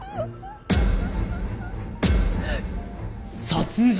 殺人！